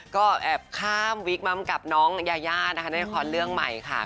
ก็แอบข้ามวิกมากับน้องยายานะคะในละครเรื่องใหม่ค่ะ